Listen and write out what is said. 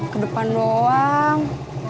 ke depan doang